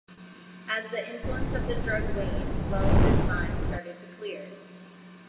As the influence of the drug waned, Wells' mind started to clear.